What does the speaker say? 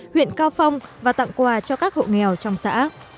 huyện cao phong và tặng quà cho các hộ nghèo trong xã